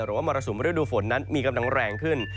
มรสุมฤดูฝนนั้นมีกำลังแรงขึ้น